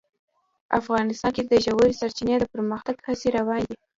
افغانستان کې د ژورې سرچینې د پرمختګ هڅې روانې دي.